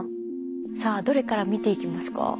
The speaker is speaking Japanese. さあどれから見ていきますか？